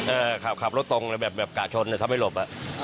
เออขับขับรถตรงแบบแบบกะชนเนี้ยทำให้หลบอ่ะอ่า